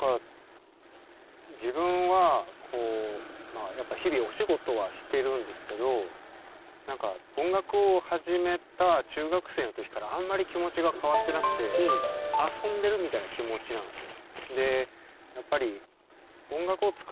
自分は日々お仕事はしてるんですけど音楽を始めた中学生の時からあんまり気持ちが変わってなくて遊んでるみたいな気持ちなんですよ。